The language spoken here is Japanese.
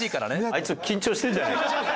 あいつ緊張してるんじゃない？